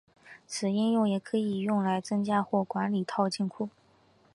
此应用也可用来增加或管理套件库。